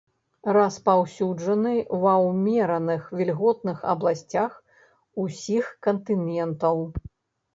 Распаўсюджаны ва ўмераных вільготных абласцях усіх кантынентаў.